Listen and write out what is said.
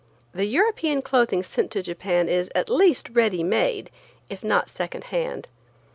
The European clothing sent to Japan is at least ready made, if not second hand.